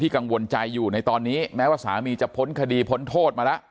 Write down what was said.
กังวลใจอยู่ในตอนนี้แม้ว่าสามีจะพ้นคดีพ้นโทษมาแล้ว